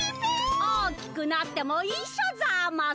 おおきくなってもいっしょざます。